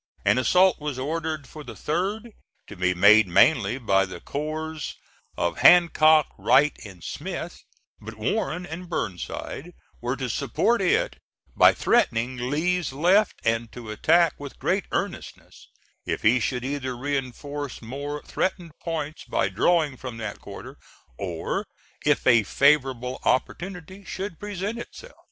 An assault was ordered for the 3d, to be made mainly by the corps of Hancock, Wright and Smith; but Warren and Burnside were to support it by threatening Lee's left, and to attack with great earnestness if he should either reinforce more threatened points by drawing from that quarter or if a favorable opportunity should present itself.